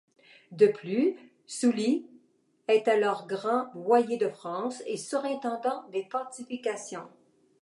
De plus, Sully est alors grand voyer de France et surintendant des fortifications.